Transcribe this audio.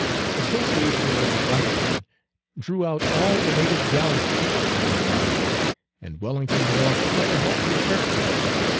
Association with the white women drew out all the native gallantry of the mulatto, and Wellington developed quite a helpful turn.